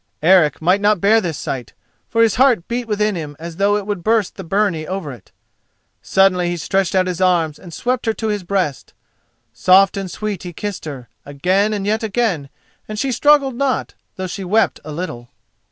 Eric might not bear this sight, for his heart beat within him as though it would burst the byrnie over it. Suddenly he stretched out his arms and swept her to his breast. Soft and sweet he kissed her, again and yet again, and she struggled not, though she wept a little.